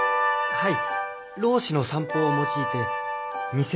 はい。